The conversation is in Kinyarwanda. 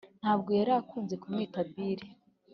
ntabwo yari akunze kumwita bill.